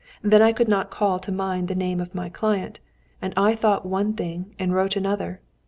Then I could not call to mind the name of my client, and I thought one thing and wrote another.